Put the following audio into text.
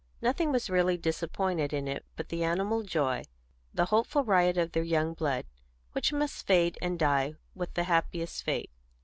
Nothing was really disappointed in it but the animal joy, the hopeful riot of their young blood, which must fade and die with the happiest fate.